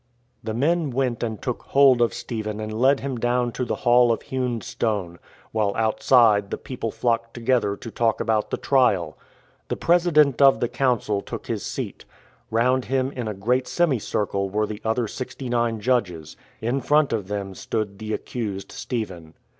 The men went and took hold of Stephen and led him down to the Hall of Hewn Stone, while, outside, the people flocked together to talk about the trial. The President of the Council took his seat. Round him in a great semicircle were the other sixty nine judges. In front of them stood the accused Stephen.